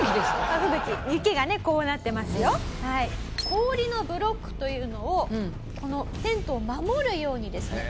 氷のブロックというのをこのテントを守るようにですね